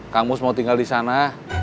kang mus mau tinggal di sini